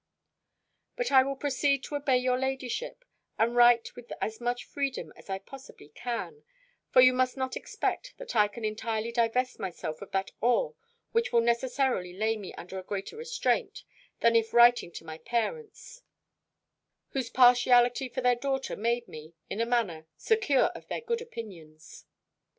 But I will proceed to obey your ladyship, and write with as much freedom as I possibly can: for you must not expect, that I can entirely divest myself of that awe which will necessarily lay me under a greater restraint, than if writing to my parents, whose partiality for their daughter made me, in a manner, secure of their good opinions.